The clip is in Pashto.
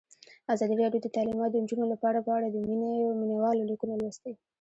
ازادي راډیو د تعلیمات د نجونو لپاره په اړه د مینه والو لیکونه لوستي.